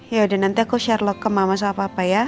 ya udah nanti aku share log ke mama sama papa ya